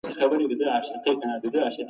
اګوستين ويلي دي چي زړو خدايانو خلګ بدبخته کړل.